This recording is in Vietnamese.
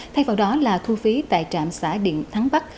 thay vào đó là thu phí tại trạm xã điện thắng bắc